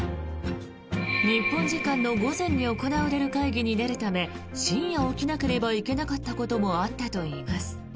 日本時間の午前に行われる会議に出るため深夜起きなければならなかったこともあったといいます。